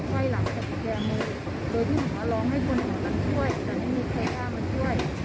เวลาจนผมก็ลองให้คนเขามาช่วยแต่ได้เป้นคนค่ายมาช่วย